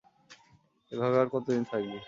এভাবে আর কতদিন থাকবি?